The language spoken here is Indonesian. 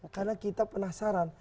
karena kita penasaran